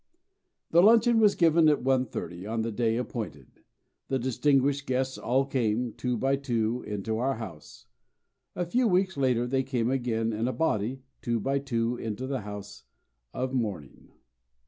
The luncheon was given at 1.30 on the day appointed; the distinguished guests all came, two by two, into our house. A few weeks later, they came again in a body, two by two, into the house of mourning.